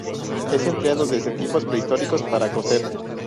Es empleado desde tiempos prehistóricos para coser.